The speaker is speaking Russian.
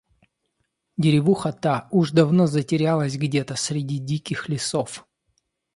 Деревуха та уж давно затерялась где-то среди диких лесов.